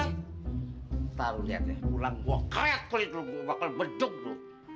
ntar lo liat ya pulang gue kreat kulit lo gue bakal beduk lo